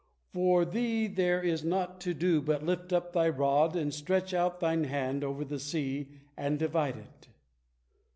For thee there is naught to do but lift up thy rod and stretch out thine hand over the sea, and divide it."